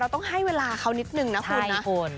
เราต้องให้เวลาเขานิดนึงนะคุณนะใช่คุณ